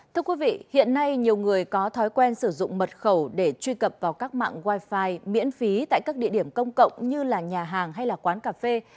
thưa quý vị hiện nay nhiều người có thói quen sử dụng mật khẩu để truy cập vào các mạng wifi miễn phí tại các địa điểm công cộng như là nhà hàng hay là quán cà phê